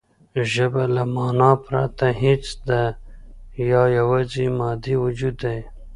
ژبه له مانا پرته هېڅ ده یا یواځې مادي وجود دی